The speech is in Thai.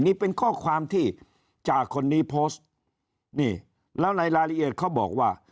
นี่เป็นข้อความที่จ่าคนนี้โพสต์นี่แล้วในรายละเอียดเขาบอกว่า